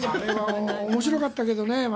あれは面白かったけどね